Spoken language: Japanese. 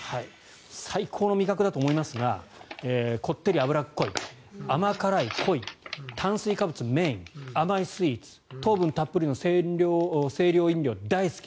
最高の味覚だと思いますがこってり脂っこい甘辛い、濃い炭水化物がメイン甘いスイーツ糖分たっぷりの清涼飲料が大好き。